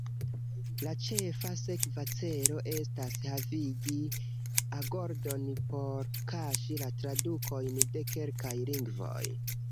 La ĉefa sekva celo estas havigi agordon por kaŝi la tradukojn de kelkaj lingvoj.